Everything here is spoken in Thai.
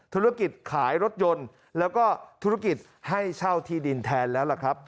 ธุรกิจขายรถยนต์แล้วก็ธุรกิจให้เช่าที่ดินแทนแล้วล่ะครับ